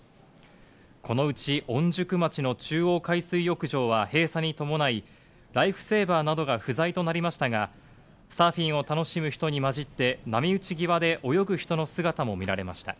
このうち御宿町の中央海水浴場は閉鎖に伴い、ライフセーバーなどが不在となりましたが、サーフィンを楽しむ人に混じって、波打ち際で泳ぐ人の姿も見られました。